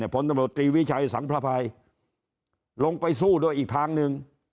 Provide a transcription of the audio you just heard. ผลตำรวจตรีวิชัยสังพระภัยลงไปสู้ด้วยอีกทางหนึ่ง